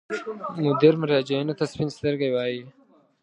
مدیر مراجعینو ته سپین سترګي وایي.